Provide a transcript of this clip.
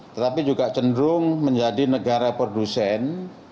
tetapi juga cenderung menjadi negara produsen